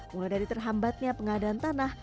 mulai dari terhambatnya pengadaan tanah